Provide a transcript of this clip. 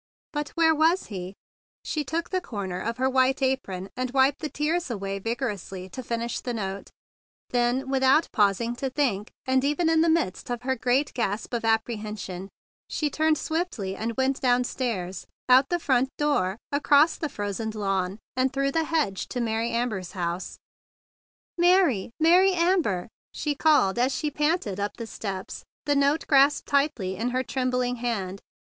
But where was he? She took the corner of her white apron, and wiped the tears away vigorously to finish the note. Then, without pausing to think, and even in the midst of her great gasp of apprehension, she turned swiftly, and went down stairs, out the front door, across the frozen lawn, and through the hedge to Mary Amber's house. THE BIG BLUE SOLDIER 113 "Mary! Mary Amber!" she called as she panted up the steps, the note grasped tightly in her trembling hand.